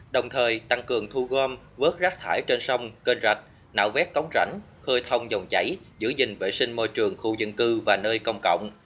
đồng thời tăng cường thu gom vớt rác thải trên sông kênh rạch nạo vét cống rãnh khơi thông dòng chảy giữ gìn vệ sinh môi trường khu dân cư và nơi công cộng